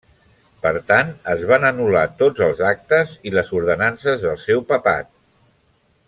Per tant, es van anul·lar tots els actes i les ordenances del seu papat.